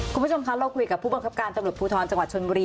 คุณผู้ชมคะเราคุยกับผู้บังคับการตำรวจภูทรจังหวัดชนบุรี